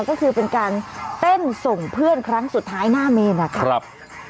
ก็คือเป็นการเต้นส่งเพื่อนครั้งสุดท้ายหน้าเมนนะครับ